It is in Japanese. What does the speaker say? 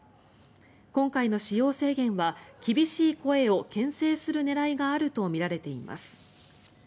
今回の使用制限は厳しい声をけん制する狙いがあるとみられています。